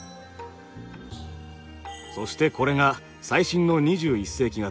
そしてこれが最新の２１世紀型。